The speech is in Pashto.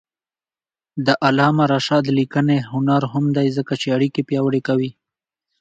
د علامه رشاد لیکنی هنر مهم دی ځکه چې اړیکې پیاوړې کوي.